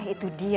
itu dia sil